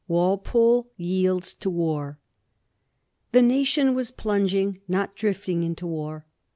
WALPOLE TIBLDS TO WAR. Thb nation was plunging, not drifting, into war.